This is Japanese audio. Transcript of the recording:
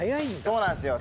そうなんですよ。